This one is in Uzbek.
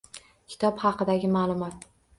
Kitob haqida ma'lumot: